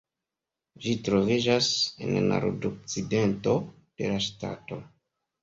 Ĝi troviĝas en la nordokcidento de la ŝtato.